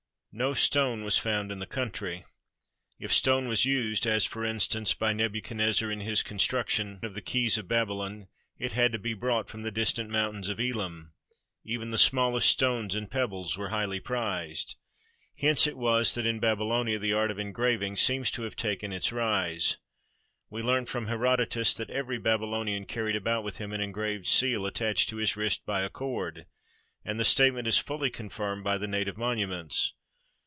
No stone was found in the coimtry. If stone was used, as, for instance, by Nebuchadnezzar in his construction 475 MESOPOTAMIA of the quays of Babylon, it had to be brought from the distant mountains of Elam. Even the smallest stones and pebbles were highly prized. Hence it was that in Babylonia the art of engraving seems to have taken its rise. We learn from Herodotus that every Babylonian carried about with him an engraved seal attached to his wrist by a cord, and the statement is fully confirmed by the native monuments.